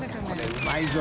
海うまいぞ。